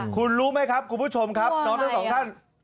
คุณรู้ไหมครับคุณผู้ชมครับวัวไหนอะ